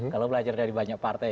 kalau belajar dari banyak partai